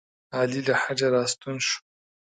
علي له حجه راستون شو.